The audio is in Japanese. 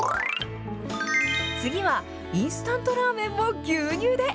次はインスタントラーメンも牛乳で。